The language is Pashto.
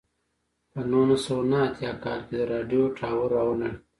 په نولس سوه نهه اتیا کال کې د راډیو ټاور را ونړېد.